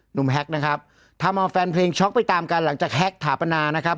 แฮ็กนะครับทำเอาแฟนเพลงช็อกไปตามกันหลังจากแฮ็กถาปนานะครับ